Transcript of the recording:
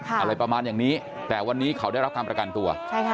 อะไรประมาณอย่างนี้แต่วันนี้เขาได้รับการประกันตัว